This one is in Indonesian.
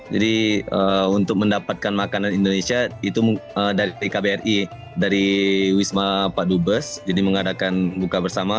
jadi untuk mendapatkan makanan indonesia itu dari kbri dari wisma padubes jadi mengadakan buka bersama